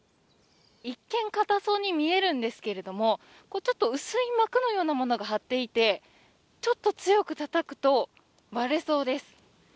一見、硬そうに見えるんですけれども、ちょっと薄い膜のようなものが張っていて、ちょっと強く叩くと割れそうです。